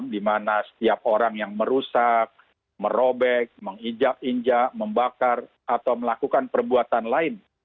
dimana setiap orang yang merusak merobek mengijak injak membakar atau melakukan perbuatan lain